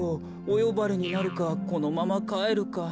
およばれになるかこのままかえるか。